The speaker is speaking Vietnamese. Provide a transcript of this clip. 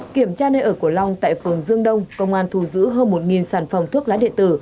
kiểm tra nơi ở của long tại phường dương đông công an thu giữ hơn một sản phẩm thuốc lá điện tử